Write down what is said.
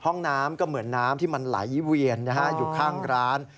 ห้องน้ำก็เหมือนน้ำที่มันไหลเวียนอยู่ข้างร้าน